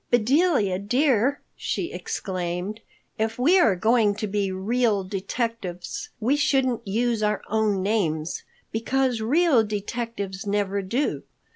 "Bedelia, dear," she exclaimed, "if we are going to be real detectives, we shouldn't use our own names, because real detectives never do.